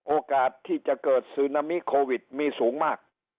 โอกาสที่จะเกิดซึนามิโควิดมีสูงมาก